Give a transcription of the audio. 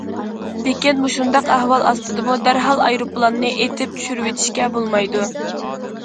لېكىن مۇشۇنداق ئەھۋال ئاستىدىمۇ دەرھاللا ئايروپىلاننى ئېتىپ چۈشۈرۈۋېتىشكە بولمايدۇ.